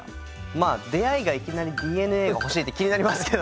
まあ出会いがいきなり「ＤＮＡが欲しい」って気になりますけどね。